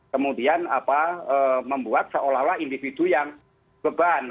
kemudian membuat seolah olah individu yang beban